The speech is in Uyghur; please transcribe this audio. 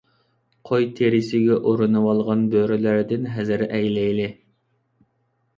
قوي تېرىسىگە ئورىنىۋالغان بۆرىلەردىن ھەزەر ئەيلەيلى.